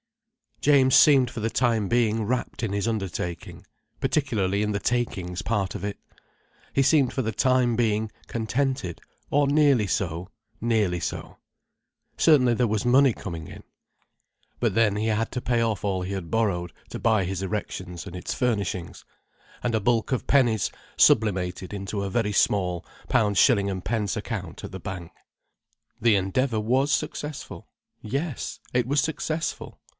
James seemed for the time being wrapt in his undertaking—particularly in the takings part of it. He seemed for the time being contented—or nearly so, nearly so. Certainly there was money coming in. But then he had to pay off all he had borrowed to buy his erection and its furnishings, and a bulk of pennies sublimated into a very small £.s.d. account, at the bank. The Endeavour was successful—yes, it was successful.